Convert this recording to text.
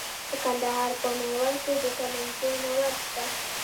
د کندهار په میوند کې د سمنټو مواد شته.